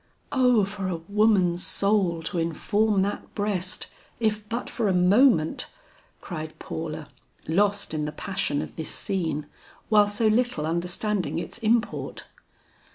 "O for a woman's soul to inform that breast if but for a moment!" cried Paula, lost in the passion of this scene, while so little understanding its import.